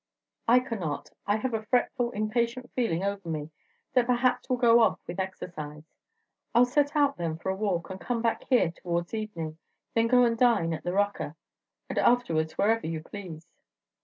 I cannot; I have a fretful, impatient feeling over me that perhaps will go off with exercise. I'll set out, then, for a walk, and come back here towards evening, then go and dine at the Rocca, and afterwards whatever you please."